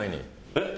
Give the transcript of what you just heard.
えっ？